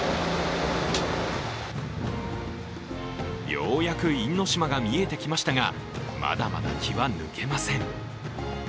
ようやく因島が見えてきましたが、まだまだ気は抜けません。